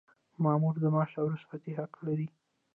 مامور د معاش او رخصتۍ حق لري.